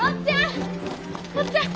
おっちゃん！